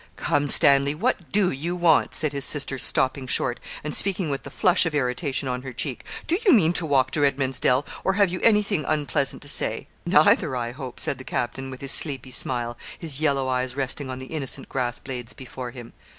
'Come, Stanley, what do you want?' said his sister, stopping short, and speaking with the flush of irritation on her cheek 'do you mean to walk to Redman's Dell, or have you anything unpleasant to say?' 'Neither, I hope,' said the captain, with his sleepy smile, his yellow eyes resting on the innocent grass blades before him.